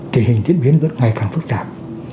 tình hình diễn biến vẫn ngày càng phức tạp